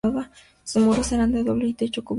Sus muros eran de adobe y el techo cubierto con paja.